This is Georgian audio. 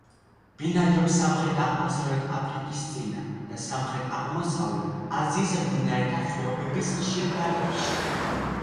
ბინადრობს სამხრეთ-აღმოსავლეთ აფრიკის წინა და სამხრეთ-აღმოსავლეთ აზიის მდინარეთა ხეობების ხშირ ბარდებში.